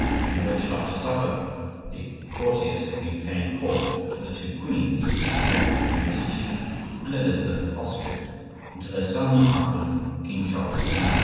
in which after supper the courtiers had been paying court to the two queens, Catherine de' Medici and Elizabeth of Austria, and to their son and husband King Charles IX.